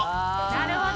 なるほど！